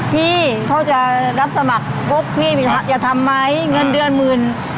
พี่เขาจะรับสมัครพี่พี่อย่าทำมั้ยเงินดือ๑๕๐๐๐